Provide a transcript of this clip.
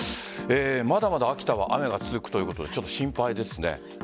まだまだ秋田は雨が続くということで心配ですね。